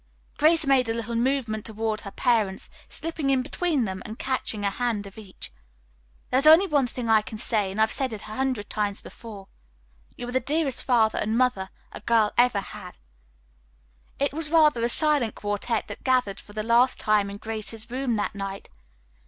Grace made a little movement toward her parents, slipping in between them and catching a hand of each. "There is only one thing I can say, and I've said it hundreds of times before, You are the dearest father and mother a girl ever had." It was rather a silent quartette that gathered for the last time in Grace's room that night.